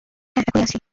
হ্যাঁঁ, এখনই আসছি।